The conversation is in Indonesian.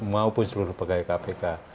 maupun seluruh pegawai kpk